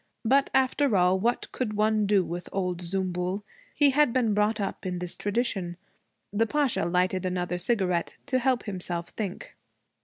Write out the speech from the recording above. But after all, what could one do with old Zümbül? He had been brought up in his tradition. The Pasha lighted another cigarette to help himself think.